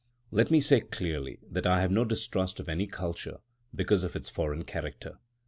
Let me say clearly that I have no distrust of any culture because of its foreign character.